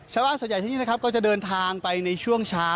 ชาวบ้านส่วนใหญ่ที่นี่นะครับก็จะเดินทางไปในช่วงเช้า